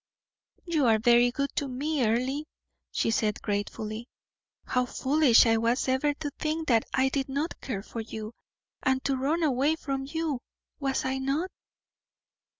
"You are very good to me, Earle," she said, gratefully. "How foolish I was ever to think that I did not care for you, and to run away from you, was I not?"